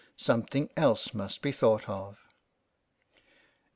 Something else must be thought of.